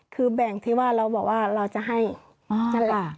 คือแบ่งที่ว่าเราบอกว่าเราจะให้นั่นแหละอ๋อค่ะ